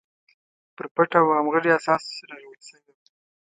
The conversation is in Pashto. پر پټ او همغږي اساس رغول شوې وه.